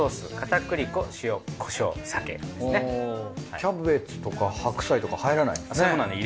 キャベツとか白菜とか入らないんですね。